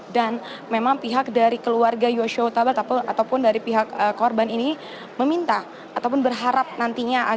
dan memang pihak dari keluarga yoshua huta barat ataupun dari pihak korban ini meminta ataupun berharap nantinya